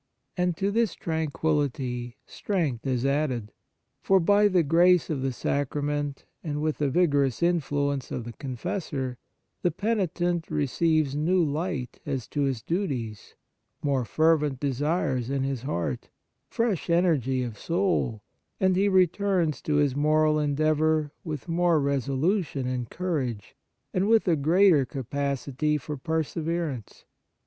And to this 96 The Sacrament of Penance tranquillity strength is added. For, by the grace of the sacrament and with the vigorous influence of the confessor, the penitent receives new light as to his duties, more fervent desires in his heart, fresh energy of soul, and he returns to his moral endeavour with more resolution and courage, and with a greater capacity for perseverance.